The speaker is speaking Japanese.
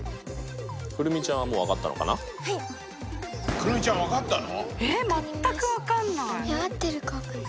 来泉ちゃん分かったの！？